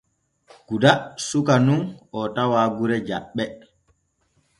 Guda suka nun oo tawa gure Jaɓɓe.